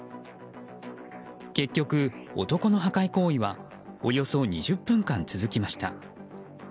結局、男の破壊行為はおよそ２０分間続きました。